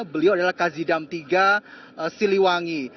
beliau adalah kazidam tiga siliwangi